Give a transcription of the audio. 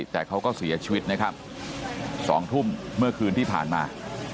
แต่เขาก็เสียชีวิตนะครับ๒ทุ่มเมื่อคืนที่ผ่านมา